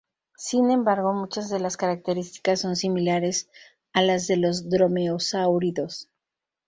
Sin embargo, muchas de las características son similares a las de los dromeosáuridos.